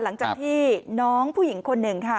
หลังจากที่น้องผู้หญิงคนหนึ่งค่ะ